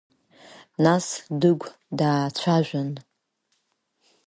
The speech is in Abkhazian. Нас Дыгә даацәажәан…